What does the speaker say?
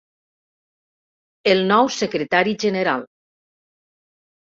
El nou secretari general.